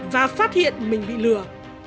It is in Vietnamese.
và phát hiện mình bị lừa